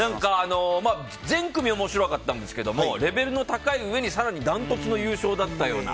全組面白かったんですけどレベルが高いうえに更にダントツの優勝だったような。